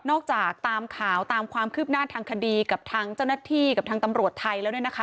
จากตามข่าวตามความคืบหน้าทางคดีกับทางเจ้าหน้าที่กับทางตำรวจไทยแล้ว